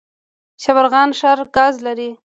شبرغان ښار ګاز لري؟